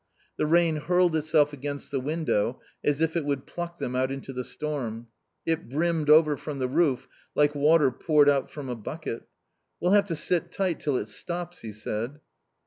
The rain hurled itself against the window, as if it would pluck them out into the storm. It brimmed over from the roof like water poured out from a bucket. "We'll have to sit tight till it stops," he said.